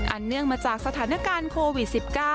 เนื่องมาจากสถานการณ์โควิด๑๙